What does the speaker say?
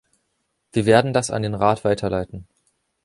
Wir werden das an den Rat weiterleiten.